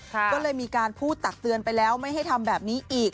ก็เลยมีการพูดตักเตือนไปแล้วไม่ให้ทำแบบนี้อีก